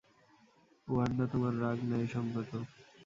Wanda, তোমার রাগ ন্যায়সঙ্গত।